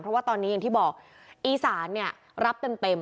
เพราะว่าตอนนี้อย่างที่บอกอีสานเนี่ยรับเต็ม